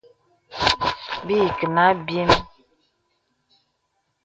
Bə̀ î kə̀ a abyēm.